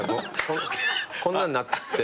こんなんなって。